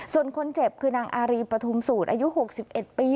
ส่วนคนเจ็บคือนางอารีปฐุมสูตรอายุ๖๑ปี